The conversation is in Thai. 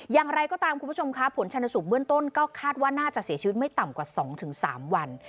อย่างไรก็ตามคุณผู้ชมค่ะผลชนสูตรเบื้องต้นก็คาดว่าน่าจะเสียชีวิตไม่ต่ำกว่า๒๓วัน